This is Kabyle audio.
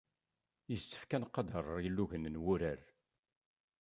Yessefk ad nqader ilugan n wurar.